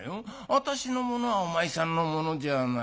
私のものはお前さんのものじゃないか。